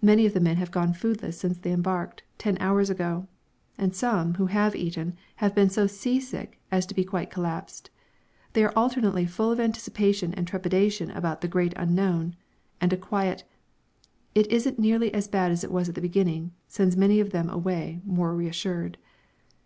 Many of the men have gone foodless since they embarked, ten hours ago, and some, who have eaten, have been so sea sick as to be quite collapsed. They are alternately full of anticipation and trepidation about the Great Unknown, and a quiet "It isn't nearly as bad as it was at the beginning" sends many of them away more reassured.